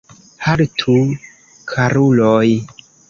Haltu, karuloj!